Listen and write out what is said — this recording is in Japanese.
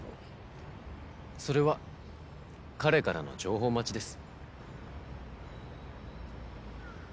それは彼からの情報待ちです。